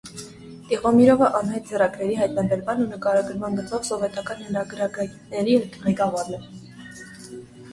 Տիխոմիրովը անհայտ ձեռագրերի հայտնաբերման ու նկարագրման գծով սովետական հնագրագետների ղեկավարն էր։